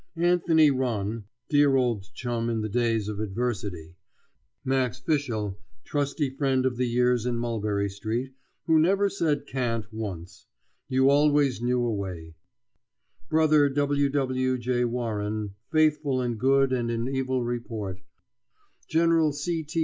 Anthony Ronne, dear old chum in the days of adversity; Max Fischel, trusty friend of the years in Mulberry Street, who never said "can't" once you always knew a way; Brother W. W. J. Warren, faithful in good and in evil report; General C. T.